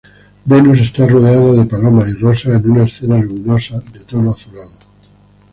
Venus está rodeada de palomas y rosas, en una escena luminosa, de tono azulado.